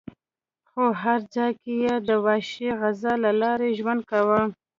خو هر ځای کې یې د وحشي غذا له لارې ژوند کاوه.